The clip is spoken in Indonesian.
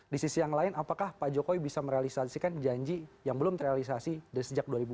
di sisi yang lain apakah pak jokowi bisa merealisasikan janji yang belum terrealisasi sejak dua ribu empat belas